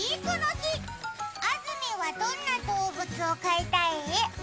あずみはどんな動物を飼いたい？